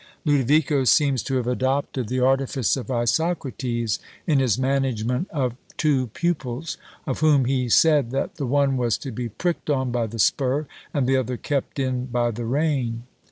Lodovico seems to have adopted the artifice of Isocrates in his management of two pupils, of whom he said that the one was to be pricked on by the spur, and the other kept in by the rein.